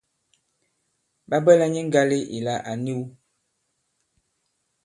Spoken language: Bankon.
Ɓa bwɛla nyɛ ŋgale ìla à niw.